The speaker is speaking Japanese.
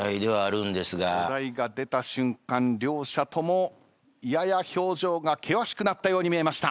お題が出た瞬間両者ともやや表情が険しくなったように見えました。